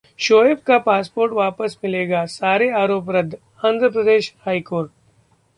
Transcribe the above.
शोएब का पासपोर्ट वापस मिलेगा, सारे आरोप रद्द: आंध्र प्रदेश हाई कोर्ट